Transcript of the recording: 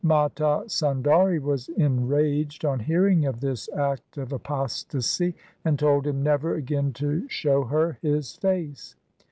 Mata Sundari was enraged on hearing of this act of apostasy and told him never again to show her his face.